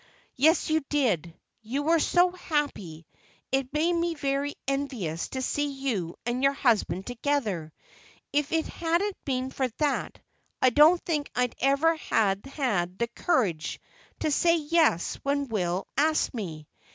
"Yes, you did, you were so happy, it made me very envious to see you and your husband together. If it hadn't been for that, I don't think I'd ever have had the courage to say yes when Will asked me.